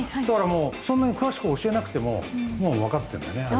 だからもうそんなに詳しく教えなくてももう分かってんだよね。